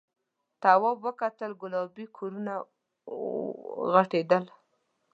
تواب وکتل گلابي کورونه غټېدل.